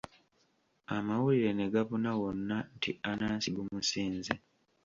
Amawulire ne gabuna wonna nti Anansi gumusinze.